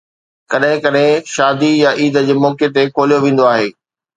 ڪڏهن ڪڏهن شادي يا عيد جي موقعي تي کوليو ويندو آهي.